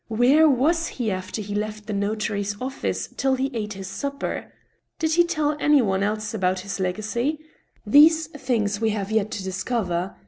Where was he after he left the notary's office till he ate his supper? Did he tell any one else about his legacy ? These things we have yet to discover.